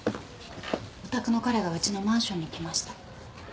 お宅の彼がうちのマンションに来ました。